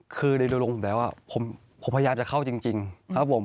คือในตัวลงผมแบบว่าผมพยายามจะเข้าจริง